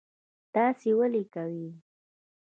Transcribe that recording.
داسی ولې کوي